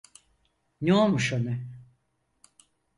Ne olmuş ona?